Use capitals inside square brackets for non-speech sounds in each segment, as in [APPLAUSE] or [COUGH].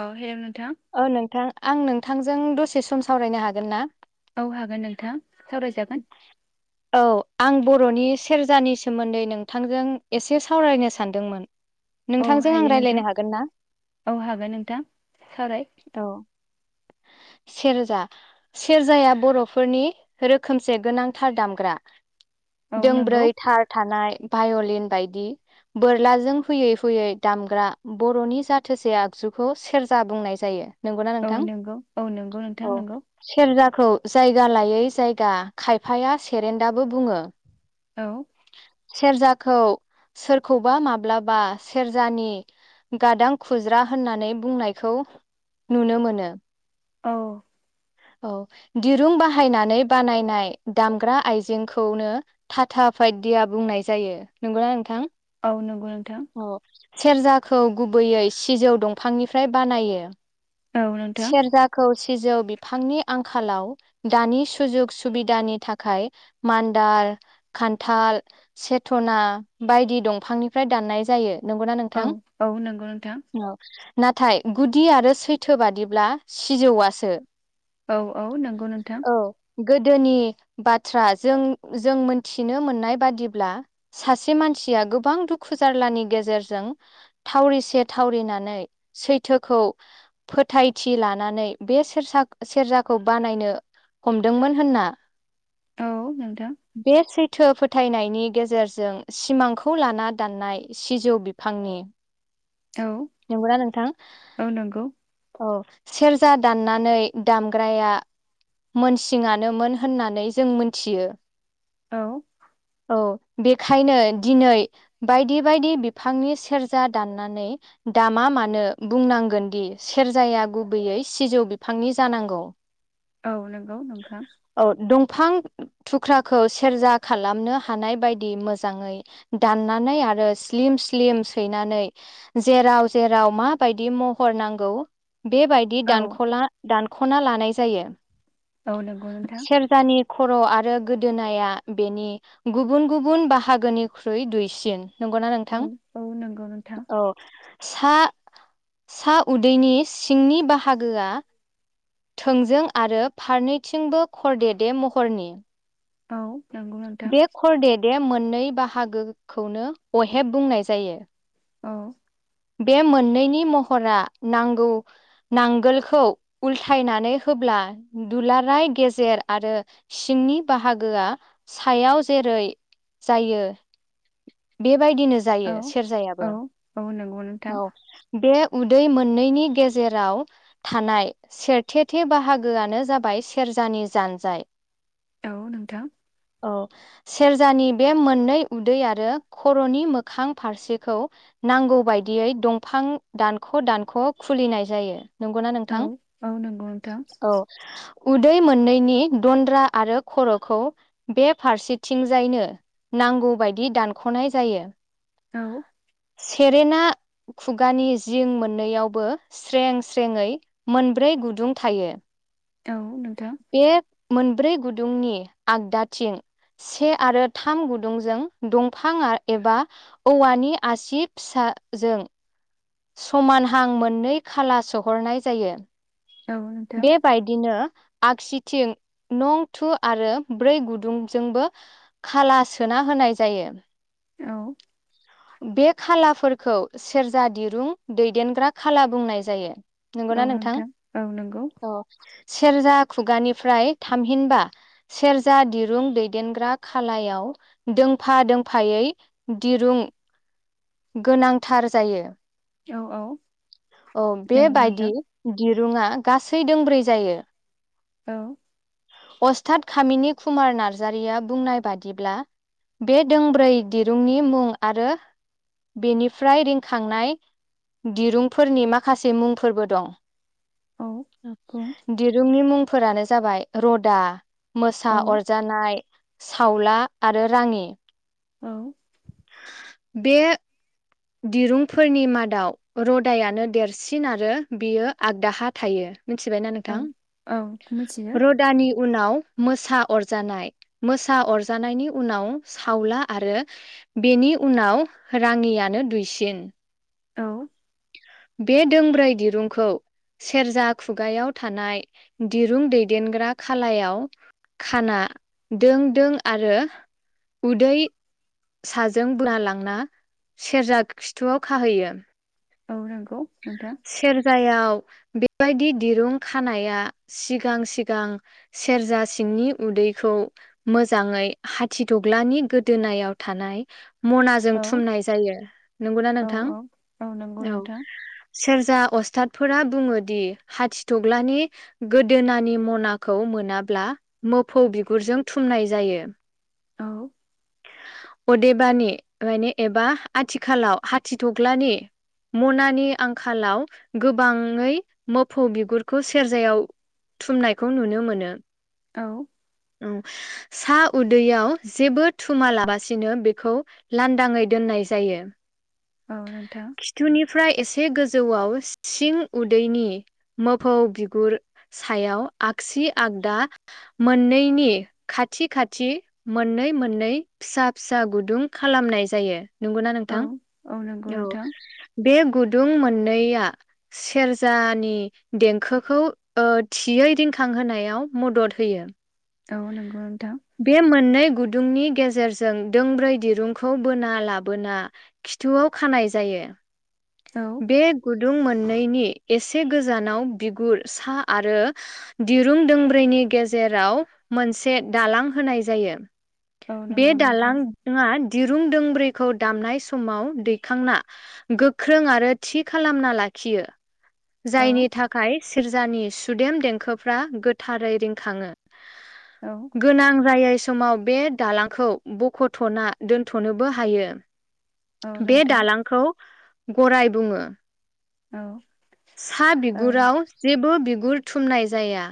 औ हेल' नोंथां औ नोंथां आं नोंथांजों दसे सम सावरायनो हागोन ना? औ हागोन नोंथां। सावराय जागोन। औ आं बर'नि सेरजानि सोमोन्दै नोंथांजों एसे सावरायनो सानदोंमोन। औ नोंथांजों आं हायो नोंथां रायलायनो हागोन ना औ हागोन नोंथां सावराय औ। सेरजा सेरजाया बर'फोरनि रोखोम खोमसे गोनांथार दामग्रा औ दोंब्रै नंगौ थार थानाय भाय'लिन बायदि बोरलाजों हुयै हुयै दामग्रा बर'नि जाथोसे आगजुखौ सेरजा बुंनाय जायो। नंगौना औ नोंथां नंगौ औ नंगौ नोंथां औ नंगौ सेरजाखौ जायगा लायै जायगा गा खायफाया सेरेन्डाबो बुङो। औ सेरजाखौ सोरखौबा माब्लाबा सेरजानि गादां खुज्रा होननानै बुंनायखौ नुनो मोनो। औ औ दिरुं बाहायनानै बानायनाय दामग्रा आइजेंखौनो टाटा पायदिया बुंनाय जायो नंगौना नोंथां? औ नोंगौ नों अह सेरजाखौ गुबैयै सिजौ दंफांनिफ्राय बानायो। औ नोंथां। सेरजाखौ सिजौ बिफांनि आंखालाव दानि सुजुग सुबिदानि थाखाय मान्दाल खान्थाल सेथ'ना बायदि दंफांनिफ्राय दाननाय जायो। नंगौना औ नोंथां औ नंगौ नोंथा औ नाथाय गुदि आरो सैथ थोबादिब्ला सिजौआसो औ औ नंगौ नोंथां। गोदोनि बाथ्रा जों जों मोनथिनो मोननाय बादिब्ला सासे मानसिया गोबां दुखु जारलानि गेजेरजों थावरिसे थावरिनानै सैथोखौ फोथायथि लानानै बे सेर सेरजाखौ बानायनो हमदोंमोन होनना। औ नोंथां। थो फोथायनायनि गेजेरजों सिमांखौ लाना दाननाय सिजौ बिफांनि औ नंगौना नोंथां। औ नंगौ औ सेरजा दाननानै दामग्राया मोनसिङानोमोन होननानै जों मोनथियो औ। औ बेखायनो दिनै बायदि बायदि बिफांनि सेरजा दाननानै दामा मानो बुंनांगोन दि सेरजाया गुबैयै सिजौ बिफांनि जानांगौ। औ नंगौ नोंखां। बिफां थुख्राखौ सेरजा खालामनो हानाय बायदि मोजाङै दाननानै आरो स्लिम स्लिम सैनानै जेराव जेराव मा बायदि महर नां गौ बेबायदि औ दानख'ला दान खना लानाय जायो। औ नंगौ नोंथां सेरजानि खर' आरो गोदोनाया बेनि गुबुन गुबुन बाहागोनिख्रुइ दुइसिन नंगौना औ नोंथां औ नंगौ नोंथां औ [UNINTELLIGIBLE] उदैनि सिंनि बाहागोआ थोंजों आरो फारनैथिंबो खरदेदे महरनि औ नंगौ नोंथां आ मोननै बाहागोखौनो अहेब बुंनाय जायो औ बे मोननैनि महरा नांगौ नांगोलखौ उल्थायनानै होब्ला दुलाराय गेजेर आरो सिंनि बाहागोआ सायाव जेरै जायो बे बेबायदिनो जायो औ सेरजायाबो औ औ नंगौ नोंथां औ बे उदै मोननैनि गेजेराव थानाय सेरथेथे बाहागोआनो जाबाय सेरजानि जानजाय। औ नोंथां औ सेरजानि बे मोननै उदै आरो खर'नि मोखां फारसेखौ नांगौ बायदि दियै दंफां दानख' दानख' खुलिनाय जायो। नंगौना औ नोंथां औ नंगौ औ नोंथां उदै मोननैनि दन्द्रा आरो खर'खौ बे फारसेथिंजायनो नांगौ बायदि दानख'नाय जायो। औ सेरेना खुगानि जिं मोननैआवबो स्रें स्रेङै मोनब्रै गुदुं थायो। औ नोंथां बे मोनब्रै गुदुंनि आग्दाथिं से आरो थाम गुदुंजों दंफां एबा औवानि आसि फिसाजों समानहां मोननै खाला सोहरनाय जायो। औ नोंथां बेबायदिनो आगसिथिं नं थु आरो ब्रै गुदुंजोंबो खाला सोना होनाय जायो। औ बे खालाफोरखौ सेरजा दिरुं दैदेनग्रा खाला बुंनाय जायो। औ नंगौना नोंथां औ नंगौ औ सेरजा खुगानिफ्राय थामहिनबा सेरजा दिरुं दैदेनग्रा खालायाव दोंफा दोंफायै दिरुं गोनांथार जायो। औ औ औ नंगौ बेबायदि नोंथां दिर रुआ गासै दोंब्रै जायो। औ अस्थाद खामिनि कुमार नार्जारिया बुंनाय बादिब्ला बे दोंब्रै दिरुंनि मुं आरो बेनिफ्राय रिंखांनाय दिरुंफोरनि माखासे मुंफोरबो दं औ बुं दिरुंनि मुं फोरानो जाबाय रदा मोसा औ अरजानाय सावला आरो राङि औ बे दिरुंफोरनि मादाव रदायानो देरसिन आरो बियो आग दाहा थायो मिथिबायना औ नोंथां औ मिथियो रदानि उनाव मोसा अरजानाय मोसा अरजानायनि उनाव सावला आरो बेनि उनाव राङियानो दुइसिन औ बे दोंब्रै दिरुंखौ सेरजा खुगायाव थानाय दिरुं दैदेनग्रा खालायाव खाना दों दों आरो उदै साजों बोना लांना सेरजा खिथुआव खाहैयो औ नंगौ नोंथां सेरजायाव बेबायदि दिरुं खानाया सिगां सिगां सेरजा सिंनि उदैखौ मोजाङै हादिदग्लानि गोदोनायाव थानाय मनाजों औ थुमनाय जायो नंगौना औ नोंथां औ नंगौ औ नोंथां सेरजा अस्थादफोरा बुङो दि हादिदग्लानि गोदोनानि मनाखौ मोनाब्ला मोफौ बिगुरजों थुमनाय जायो औ अदेबानि मानि एबा आथिखालाव हादिदग्लानि मनानि आंखालाव गोबाङै मोफौ बिगुरखौ सेरजायाव थुमनायखौ नुनो मोनो औ औ‌ सा उदैयाव जेबो थुमा लाबासिनो बेखौ लान्दाङै दोननाय जायो औ नोंथां थुनिफ्राय एसे गोजौआव सिं उदैनि मोफौ बिगुर सायाव आगसि आगदा मोननैनि खाथि खाथि मोननै मोननै फिसा फिसा गुदुं खालामनाय जायो नंगौना औ नोंथां नंगौ औ नोंथां बे गुदुं मोननैया सेरजानि देंखोखौ ओ थियै रिंखांहोनायाव मदद होयो औ नंगौ नोंथा बे मोननै गुदुंनि गेजेरजों दोंब्रै दिरुंखौ बोना लाबोना खिथुआव खानाय जायो औ बे गुदुं गुदुं मोननैनि एसे गोजानाव बिगुर सा आरो दिरुं दोंब्रैनि गेजेराव मोनसे दालां होनाय जायो औ बे नंगौ नोंथां दालांआ दिरुं दोंब्रैखौ दामनाय समाव दैखांना गोख्रों आरो थि खालामना लाखियो औ जायनि थाखाय सेर्जानि सुदेम देंखोफ्रा गोथारै रिंखाङो औ गोनां जायै समाव बे दालांखौ बख'थ'ना दोन्थ'नोबो हायो औ बे नोंथां दालांखौ गराय बुङो औ सा औ बिगुराव जेबो बि गुर थुमनाय जाया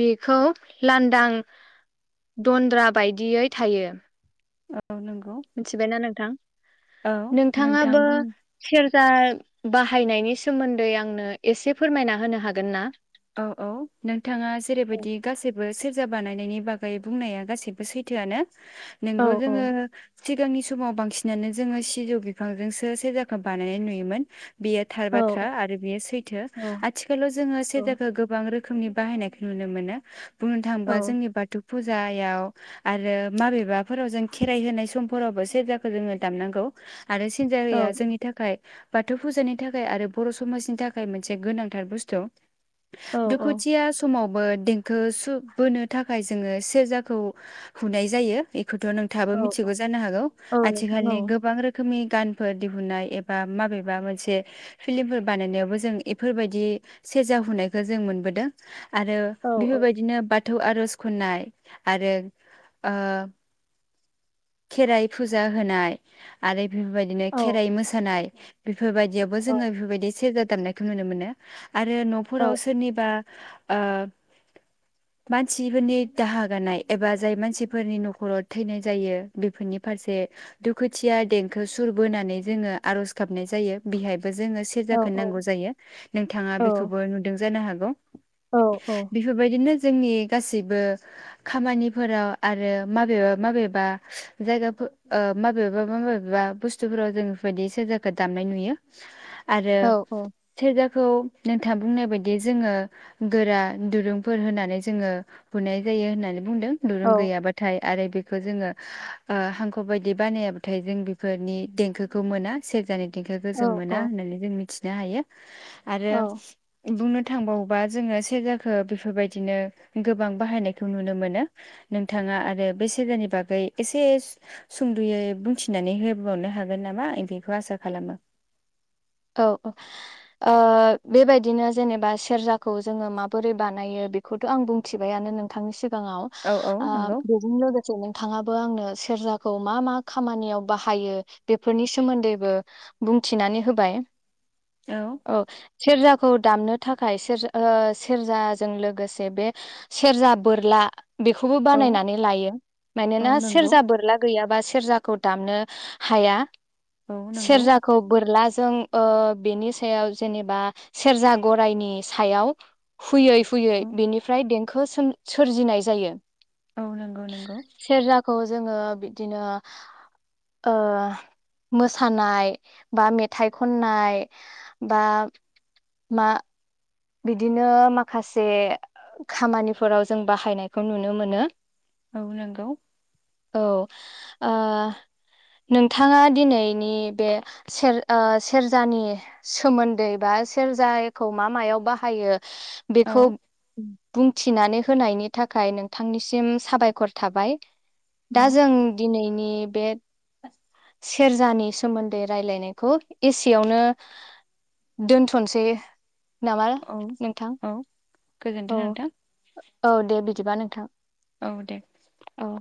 बेखौ लान्दां दन्द्रा बायदियै थायो। औ नंगौ मिथिबायना नोंथां? औ नोंथां नोंथाङाबो बुं सेर रजा बाहायनायनि सोमोन्दै आंनो एसे फोरमायना होनो हागोन ना? औ औ नोंथाङा जेरैबायदि गासैबो सोर रजा बानायनायनि बागै बुंनाया गाससिबो सैथोआनो। औ नोंगौ औ जोङो सिगांनि समाव बांसिनानो जोङो सिजौ बिफांजोंसो सेरजाखो बानायनाय नुयोमोन। बेयो थार औ बाथ्रा आरो बेयो सैथो औ आथिखालाव जोङो औ सेरजा गोबां रोखोमनि बाहायनायखौ नुनो मोनो। बुंनो थाङोब्ला औ जोंनि बाथौ फुजायाव आरो माबेबाफोराव जों खेराइ होनाय समफोरावबो सेरजाखौ जोङो दामनांगौ। आरो औ सेरजाया जोंनि थाखाय बाथौ फुजानि थाखाय आरो बर' समाजनि थाखाय मोनसे गोनांथार बुस्थु। औ औ दुखुथिया समाव देंखो सुब बोनो थाखाय जोङो सेरजाखौ हुनाय जायो। थ' नोंथाबो औ औ मिथिगौ जानो हागौ औ नोंथां औ आथिखालनि गोबां रोखोमनि गानफोर दिहुननाय एबा माबेबा मोनसे फिल्मफोर बानायनायावबो जों बेफोरबायदि सेरजा हुनाय दा जों मोनबोदों। आरो औ बेफोरबायदिनो बाद बाथौ आरज खन्नाय आरो ओ खेराइ फुजा होनाय आरो बेफोरबायदिनो औ खेराइ मोसानाय बेफोरबायदियावबो औ जोङो बेफोरबायदि सेरेजा दाबनायखौ नुनो मोनो आरो न औ फोराव सोरनिबा ओ मानसिफोरनि दाहा गानाय एबा जाय मानसिफोरनि न'खराव थैनाय जायो बेफोरनि फारसे दुखुथिया देंखो सुर बोनानै जोङो आरज गाबनाय जायो बेहाय जोङो औ सेरजाखौ औ नांगौ जायो। नोंथांआ औ बेखौबो नुदों। जानो हागौ औ औ बेफोरबायदिनो जोंनि गासैबो खामानिफोराव आरो माबेबा माबेबा जायगाफोर माबेबा माबेबा बुस्थुफोराव जों बेफोरबायदि सेरजाखौ दामनाय नुयो। आरो औ सेरजाख खौ नोंथाङा बुंनाय बायदि बिदि जोङो गोरा दुरुंफोर होननानै जोङो बुनाय जायो होननानै बुंदों दुरुं औ गैयाबाथाय आरो बेखौ जोङो ओ हांखो बायदि बानायाबाथाय जों बेफोरनि देंखोखौ मोना सेरजानि देंखोखौ जों औ मोना होननानै जों मिथि जायो आरो औ बुंनो थांबावोबा जोङो सेरजाखौ बेफोरबायदिनो गोबां बाहायनायखौ नुनो मोनो नोंथाङा आरो बे सेरजानि बागै एसे सुंद'यै बुंथिनानै होबावनो हागोन नामा आं बेखौ आसा खालामो औ ओ-ओ बेबायदिनो जेनेबा सेरजाखौ जोङो माबोरै बानायो बेखौथ' आं बुंथिबायानो नोंथांनि सिगां गाङाव औ औ ओ नंगौ बेजों लोगोसे नोंथाङा बो आंनो सेरजाखौ मा मा खामानियाव बाहायो बेफोरनि सोमोन्दैबो बुंथिनानै होबाय औ सेरजाखौ दामनो थाखाय सेरजा ओ सेरजाजों लोगोसे बे सेरजा बोरला बेखौबो औ बानायनानै लायो मानोना औ नंगौ सेरजा बोरला गैया बा सेरजाखौ दामनो हाया औ नंगौ सेरजाखौ बोरला जो [UNINTELLIGIBLE] ओ बेनि सायाव जेनेबा सेरजा गराइनि सायाव हुयै हुयै औ बेनिफ्राय दें खो सों सोरजिनाय जायो औ नंगौ नंगौ औ जोङो बिदिनो ओ मोसानाय बा मेथाइ खननाय बा मा बिदिनो माखासे खामानिफोराव जों बाहायनायखौ नुनो मोनो औ नंगौ औ ओ नोंथाङा दिनैनि बे सेर ओ सेरजानि नि सोमोन्दै बा सेरजाखौ मा मायाव बाहायो औ बेखौ बुंथिनानै होनायनि थाखाय नोंथांनिसिम साबायखर थाबाय औ दा जों दिनै नि बे [INAUDIBLE] सेरजानि सोमोन्दै रायलायनायखौ एसेयावनो दोनथ'नसै नामा औ नोंथां औ औ गोजोनथों नोंथां औ दे बिदिबा नोंथां औ दे औ